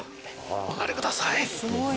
お上がりください。